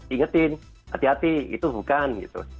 ingetin hati hati itu bukan gitu